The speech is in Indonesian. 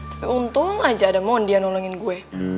tapi untung aja ada mondi yang nolongin gue